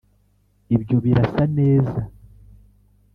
ibyo birasa neza.